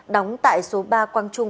đóng tại số ba quang trung